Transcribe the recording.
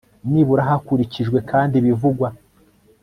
nibura hakurikijwe kandi ibivugwa